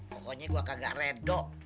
pokoknya gue kagak reda